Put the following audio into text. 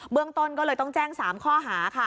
เรื่องต้นก็เลยต้องแจ้ง๓ข้อหาค่ะ